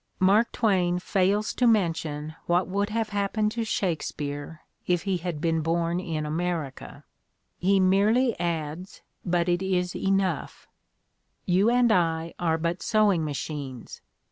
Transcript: ... Mark Twain fails to mention what would have happened to Shakespeare if he had been born in America. He merely adds, but it is enough: "You and I are but sewing machines.